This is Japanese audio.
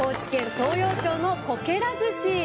東洋町の、こけら寿司。